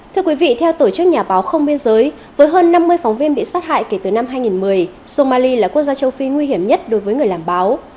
thưa quý vị theo tổ chức nhà báo không biên giới với hơn năm mươi phóng viên bị sát hại kể từ năm hai nghìn một mươi somali là quốc gia châu phi nguy hiểm nhất đối với người làm báo